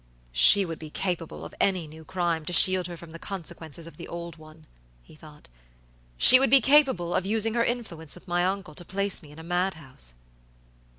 "She would be capable of any new crime to shield her from the consequences of the old one," he thought. "She would be capable of using her influence with my uncle to place me in a mad house."